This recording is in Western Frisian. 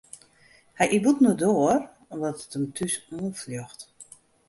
Hy yt bûten de doar omdat it him thús oanfljocht.